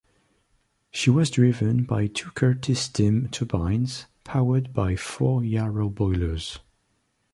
She was driven by two Curtis steam turbines powered by four Yarrow boilers.